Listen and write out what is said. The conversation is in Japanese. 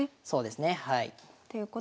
そうですねはい。